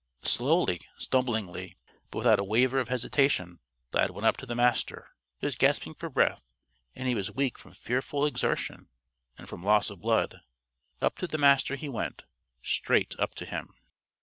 Slowly, stumblingly, but without a waver of hesitation, Lad went up to the Master. He was gasping for breath, and he was weak from fearful exertion and from loss of blood. Up to the Master he went straight up to him.